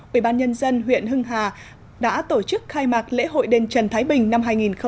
ubnd huyện hưng hà đã tổ chức khai mạc lễ hội đền trần thái bình năm hai nghìn một mươi chín